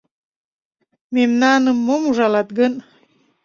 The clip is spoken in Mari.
Мемнаным мом ужалат гын?